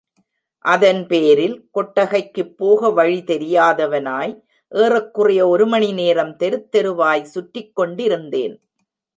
அதன் பேரில், கொட்டகைக்குப் போக வழி தெரியாதவனாய், ஏறக்குறைய ஒரு மணி நேரம் தெருத் தெருவாய் சுற்றிக்கொண்டிருந்தேன்!